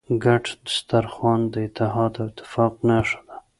ګډ سترخوان د اتحاد او اتفاق نښه ده.